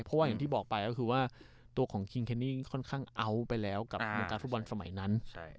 เพราะว่าอย่างที่บอกไปก็คือว่าตัวของคิงเคนนี่ค่อนข้างเอาท์ไปแล้วกับวงการฟุตบอลสมัยนั้น